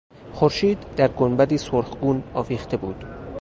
خورشید در گنبدی سرخگون آویخته بود.